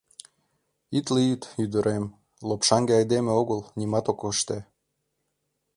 Ит лӱд, ӱдырем: лопшаҥге айдеме огыл, нимат ок ыште.